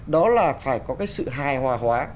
đó là phải có cái sự hài hòa hóa